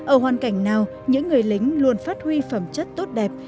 ở hoàn cảnh nào những người lính luôn phát huy phẩm chất tốt đẹp